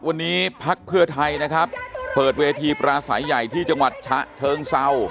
วันนี้พักเพื่อไทยนะครับเปิดเวทีปราศัยใหญ่ที่จังหวัดฉะเชิงเศร้า